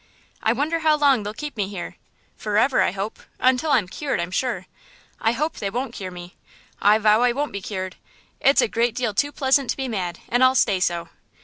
"I wonder how long they'll keep me here? Forever, I hope. Until I get cured, I'm sure. I hope they won't cure me; I vow I won't be cured. It's a great deal too pleasant to be mad, and I'll stay so.